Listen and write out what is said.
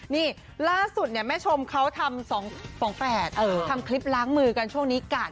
นี่ล่าสุดเนี้ยแม่ชมเขาทำสองสองแปดเออทำคลิปล้างมือกันช่วงนี้กาด